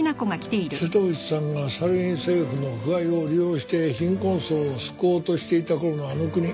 瀬戸内さんがサルウィン政府の腐敗を利用して貧困層を救おうとしていた頃のあの国